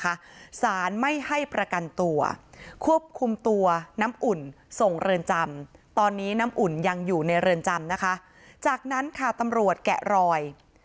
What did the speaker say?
ครอบครัวไม่ได้อาฆาตแต่มองว่ามันช้าเกินไปแล้วที่จะมาแสดงความรู้สึกในตอนนี้